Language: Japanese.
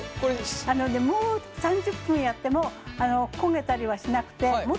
あのねもう３０分やっても焦げたりはしなくてうわ！